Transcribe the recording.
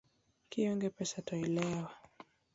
Kionge pesa to ilewo